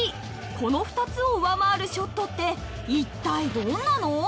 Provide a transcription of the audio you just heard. この２つを上回るショットっていったいどんなの？